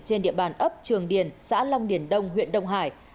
trên địa bàn ấp trường điền xã long điền đông huyện đông hải